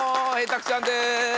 たくちゃんです。